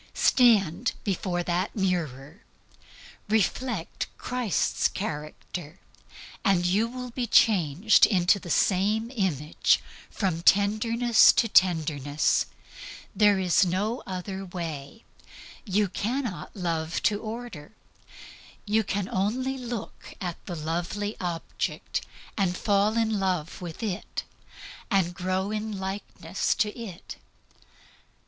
Stand before that mirror, reflect Christ's character, and you will be changed into the same image from tenderness to tenderness. There is no other way. You cannot love to order. You can only look at the lovely object, and fall in love with it, and grow into likeness to it.